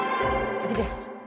次です。